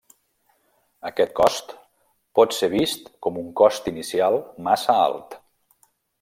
Aquest cost pot ser vist com un cost inicial massa alt.